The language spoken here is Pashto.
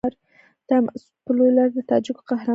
تا مسعود په لوی لاس د تاجکو قهرمان کړ.